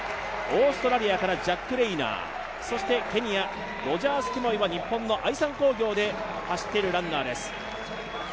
オーストラリアからジャック・レイナー、そしてケニア、ロジャース・ケモイは日本の愛三工業で走っている選手です。